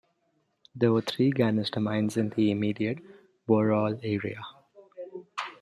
There were three ganister mines in the immediate Worrall area.